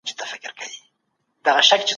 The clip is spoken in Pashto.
هغه سړی چي خبري کوي، بايد احتياط وکړي.